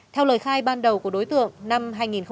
theo lời khai ban đầu của đối tượng năm hai nghìn một mươi ba